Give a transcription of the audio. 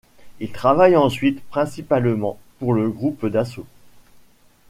Il travaille ensuite principalement pour le Groupe Dassault.